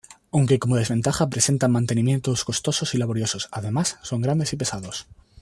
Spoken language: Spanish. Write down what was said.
Aunque como desventaja presentan mantenimientos costosos y laboriosos, además son grandes y pesados.